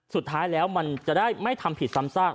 สุดท้ายแล้วมันจะได้ไม่ทำผิดซ้ำซาก